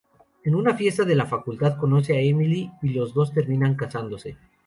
En una fiesta de la facultad conoce a Emily y los dos terminan casándose.